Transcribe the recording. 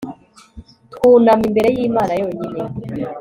twunama imbere y'imana yonyine